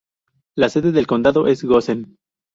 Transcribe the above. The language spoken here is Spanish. La sede de condado es Goshen.